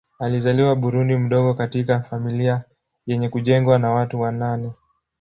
Alizaliwa Burundi mdogo katika familia yenye kujengwa na watu wa nane.